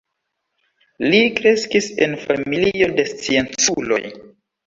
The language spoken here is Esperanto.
Li kreskis en familio de scienculoj.